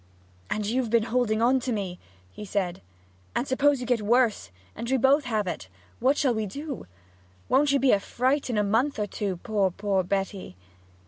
'And you've been holding on to me!' he said. 'And suppose you get worse, and we both have it, what shall we do? Won't you be a fright in a month or two, poor, poor Betty!'